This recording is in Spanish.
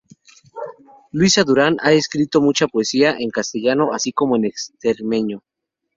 Luisa Durán ha escrito mucha poesía en castellano así como en extremeño.